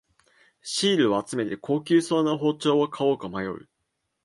シールを集めて高級そうな包丁を買おうか迷う